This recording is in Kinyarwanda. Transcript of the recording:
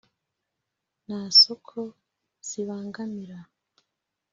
nta soko zibangamira